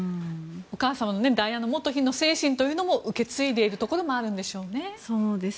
お母様のダイアナ元妃の精神というのも受け継いでいるところもあるんでしょうね。